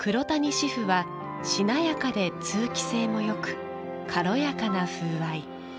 紙布はしなやかで通気性もよく軽やかな風合い。